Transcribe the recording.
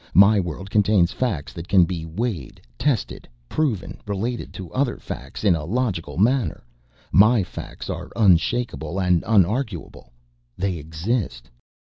My world contains facts that can be weighed, tested, proven related to other facts in a logical manner. My facts are unshakeable and unarguable. They exist."